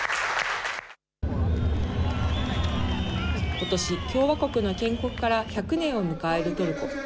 ことし、共和国の建国から１００年を迎えるトルコ。